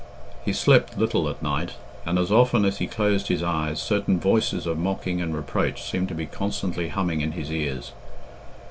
He slept little at night, and as often as he closed his eyes certain voices of mocking and reproach seemed to be constantly humming in his ears.